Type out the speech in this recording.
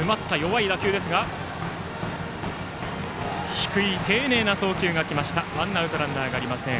低い丁寧な送球が来ましてワンアウトランナーがありません。